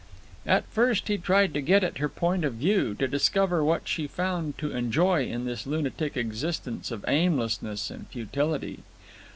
At first he tried to get at her point of view, to discover what she found to enjoy in this lunatic existence of aimlessness and futility.